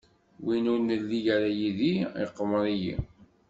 Win ur nelli ara yid-i iqumer-iyi.